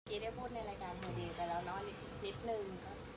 เมื่อกี้ได้พูดในรายการหัวดีไปแล้วนอนอีกนิดนึง